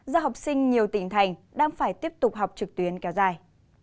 do học sinh nhiều tỉnh thành đang phải tiếp tục học trực tuyến kéo dài